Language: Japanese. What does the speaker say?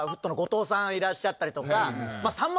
いらっしゃったりとか。